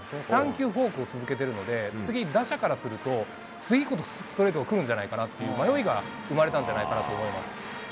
３球フォークを続けてるので、次、打者からすると、次こそストレートが来るんじゃないかなっていう迷いが生まれたんじゃないかなって思います。